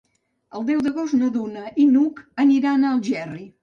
El deu d'agost na Duna i n'Hug aniran a Algerri.